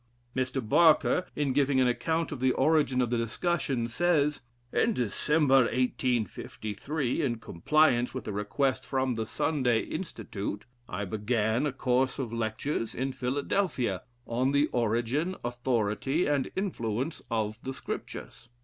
Mr. Barker, in giving an account of the origin of the discussion, says: "In December, in compliance with a request from the Sunday Institute, I began a course of lectures in Philadelphia, on the origin, authority and influence of the Scriptures.